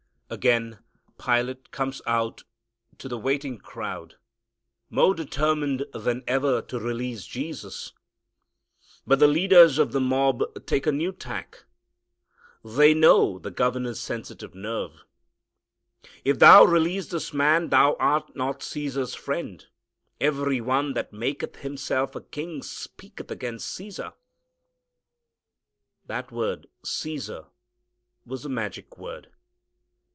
Again Pilate comes out to the waiting crowd more determined than ever to release Jesus. But the leaders of the mob take a new tack. They know the governor's sensitive nerve. "If thou release this man thou art not Caesar's friend. Every one that maketh himself a king speaketh against Caesar." That word "Caesar" was a magic word.